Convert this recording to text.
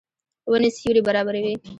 ونې سیوری برابروي.